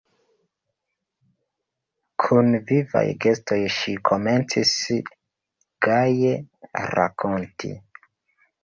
Kun vivaj gestoj ŝi komencis gaje rakonti: